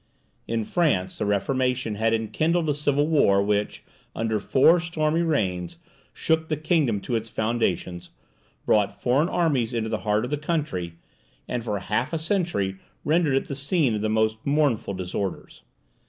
In France, the Reformation had enkindled a civil war which, under four stormy reigns, shook the kingdom to its foundations, brought foreign armies into the heart of the country, and for half a century rendered it the scene of the most mournful disorders.